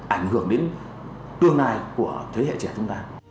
ảnh hưởng đến tương lai của thế hệ trẻ chúng ta